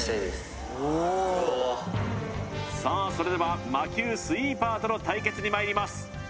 さあそれでは魔球スイーパーとの対決にまいります